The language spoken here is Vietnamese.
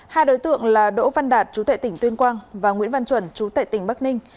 hai đối tượng là đỗ văn đạt chú tệ tỉnh tuyên quang và nguyễn văn chuẩn chú tệ tỉnh bắc ninh